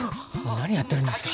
何やってるんですか。